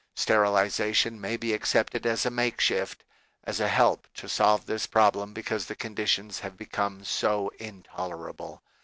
Sterilization may be accepted as a makeshift, as a help to solve this problem because the conditions have become so intolerable.